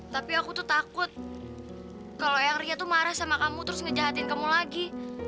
tapi aku tuh takut kalau yang ria tuh marah sama kamu terus ngejahatin kamu lagi